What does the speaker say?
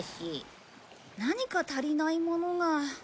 何か足りないものが。